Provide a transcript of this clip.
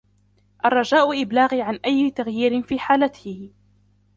الرجاء ابلاغي عن أي تغيير في حالته.